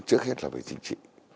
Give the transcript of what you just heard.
trước hết là về chính trị